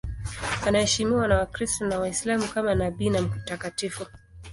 Anaheshimiwa na Wakristo na Waislamu kama nabii na mtakatifu.